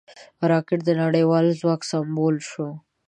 راکټ د نړیوال ځواک سمبول شو